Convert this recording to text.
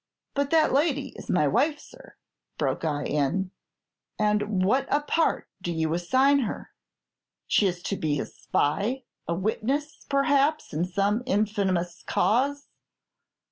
"'"But that lady is my wife, sir," broke I in; "and what a part do you assign her! She is to be a spy, a witness, perhaps, in some infamous cause.